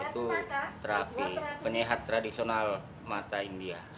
itu terapi penyehat tradisional mata india